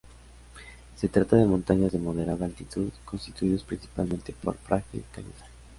Se trata de montañas de moderada altitud, constituidos principalmente por frágil caliza.